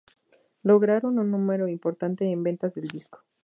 Lograron un número importante de ventas del disco.